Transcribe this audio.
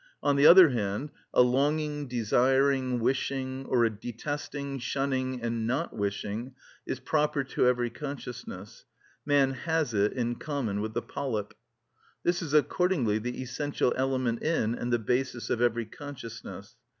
On the other hand, a longing, desiring, wishing, or a detesting, shunning, and not wishing, is proper to every consciousness: man has it in common with the polyp. This is accordingly the essential element in and the basis of every consciousness.